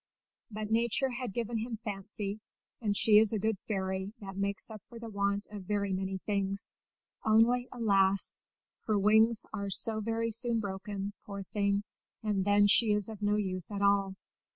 But nature had given him Fancy, and she is a good fairy that makes up for the want of very many things! only, alas! her wings are so very soon broken, poor thing, and then she is of no use at all.